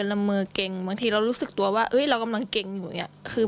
ว่ามาเก็งบางทีเรารู้สึกตัวว่าเอ้ยเรากำลังเก็งอยู่คือ